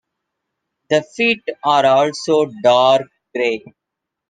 The feet are also dark gray.